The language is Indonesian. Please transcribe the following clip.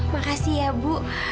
makasih ya bu